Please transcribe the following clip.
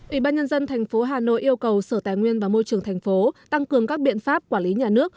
ủy ban nhân dân tp hà nội yêu cầu sở tài nguyên và môi trường thành phố tăng cường các biện pháp quản lý nhà nước